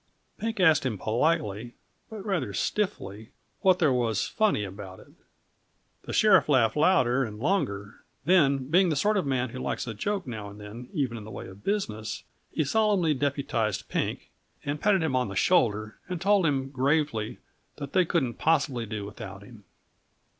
Pink asked him politely, but rather stiffly, what there was funny about it. The sheriff laughed louder and longer; then, being the sort of man who likes a joke now and then, even in the way of business, he solemnly deputized Pink, and patted him on the shoulder and told him gravely that they couldn't possibly do without him.